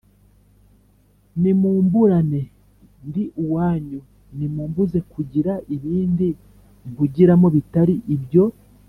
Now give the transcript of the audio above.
nimumburane: ndi uwanyu nimumbuze kugira ibindi mpugiramo bitari ibyo